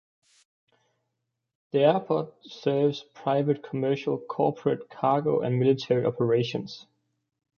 The airport serves private, commercial, corporate, cargo and military operations.